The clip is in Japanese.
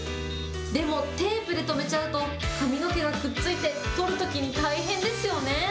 でもテープでとめちゃうと、髪の毛がくっついて取るときに大変ですよね。